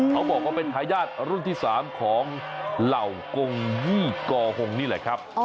เขาบอกว่าเป็นทายาทรุ่นที่๓ของเหล่ากงยี่กอหงนี่แหละครับ